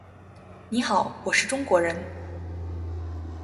你好，我是中国人。